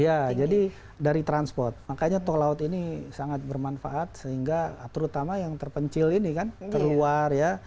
iya jadi dari transport makanya tol laut ini sangat bermanfaat sehingga terutama yang terpencil ini kan terluar ya